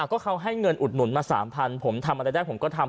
ก็เขาให้เงินอุดหนุนมา๓๐๐ผมทำอะไรได้ผมก็ทำ